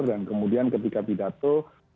dan kemudian ketika pidato